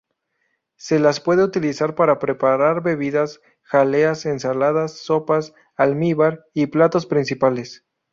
Se las puede utilizar para preparar bebidas, jaleas, ensaladas, sopas, almíbar y platos principales.